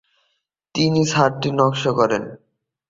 তিনি ছাদটির নকশা করেন।